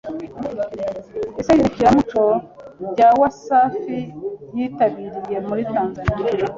iserukiramuco rya Wasafi yitabiriye muri Tanzaniya